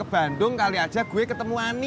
bandung kali aja gue ketemu ani